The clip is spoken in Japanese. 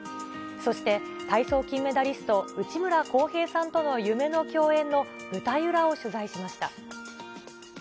そして体操金メダリスト、内村航平さんとの夢の共演の舞台裏を取材しました。